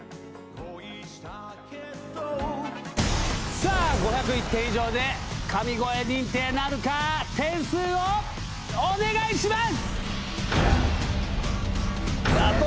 さあ、５０１点以上で神声認定なるか、点数をお願いします。